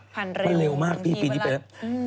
ผ่านไปเร็วมากปีเดี๋ยวเป็น